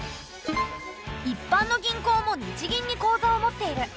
一般の銀行も日銀に口座を持っている。